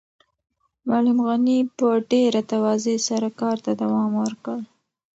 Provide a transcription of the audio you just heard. معلم غني په ډېره تواضع سره کار ته دوام ورکړ.